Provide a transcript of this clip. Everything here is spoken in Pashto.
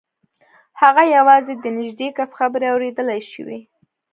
هغه یوازې د نږدې کس خبرې اورېدلای شوې